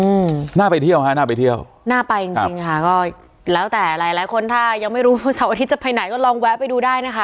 อืมน่าไปเที่ยวฮะน่าไปเที่ยวน่าไปจริงจริงค่ะก็แล้วแต่หลายหลายคนถ้ายังไม่รู้เสาร์อาทิตย์จะไปไหนก็ลองแวะไปดูได้นะคะ